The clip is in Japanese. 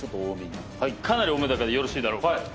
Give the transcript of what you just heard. かなり多めだけどよろしいだろうか。